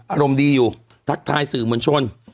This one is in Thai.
อารมณ์ดีอยู่ทักทายสื่อมวลชน